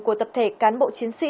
của tập thể cán bộ chiến sĩ